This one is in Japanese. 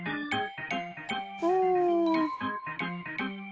うん。